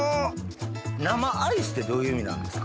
生アイスってどういう意味なんですか？